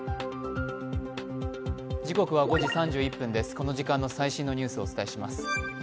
この時間の最新のニュースをお伝えします。